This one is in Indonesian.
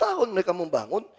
sepuluh tahun mereka membangun